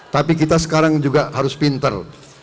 tapi kita sekarang juga harus pinter